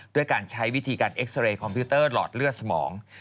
ด้วยการใช้วิธีการเอ็กซาเรย์คอมพิวเตอร์หลอดเลือดสมอง